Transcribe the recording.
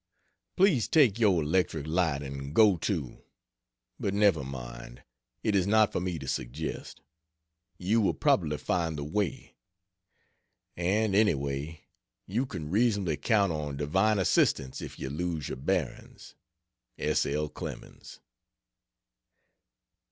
Please take your electric light and go to but never mind, it is not for me to suggest; you will probably find the way; and any way you can reasonably count on divine assistance if you lose your bearings. S. L. CLEMENS.